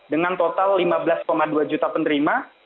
dengan total lima belas dua juta penerima